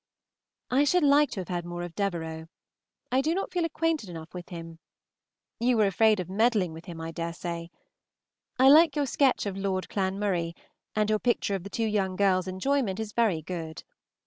I should like to have had more of Devereux. I do not feel enough acquainted with him. You were afraid of meddling with him, I dare say. I like your sketch of Lord Clanmurray, and your picture of the two young girls' enjoyment is very good.